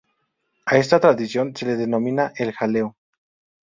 A esta tradición se le denomina el "jaleo".